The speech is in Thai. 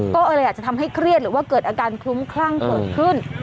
ก็เลยอาจจะทำให้เครียดหรือว่าเกิดอาการคลุ้มคลั่งเกิดขึ้น